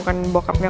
ntar lo juga tau